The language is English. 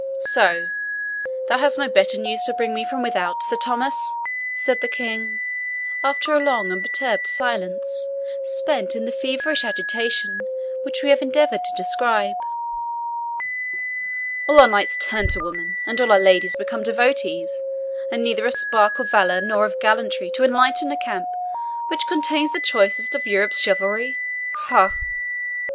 "So thou hast no better news to bring me from without, Sir Thomas!" said the King, after a long and perturbed silence, spent in the feverish agitation which we have endeavoured to describe. "All our knights turned women, and our ladies become devotees, and neither a spark of valour nor of gallantry to enlighten a camp which contains the choicest of Europe's chivalry ha!"